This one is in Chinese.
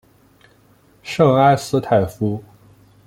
圣埃斯泰夫。